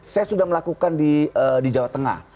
saya sudah melakukan di jawa tengah